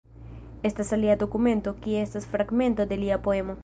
Estas alia dokumento, kie estas fragmento de lia poemo.